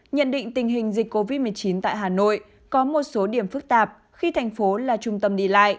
nhận định tình hình dịch covid một mươi chín tại hà nội có một số điểm phức tạp khi thành phố là trung tâm đi lại